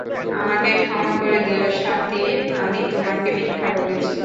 আমাকে ক্ষমা করে দিও শান্তি, আমি তোমাকে মিথ্যা বলেছি।